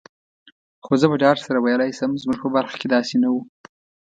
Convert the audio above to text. خو زه په ډاډ سره ویلای شم، زموږ په برخه کي داسي نه وو.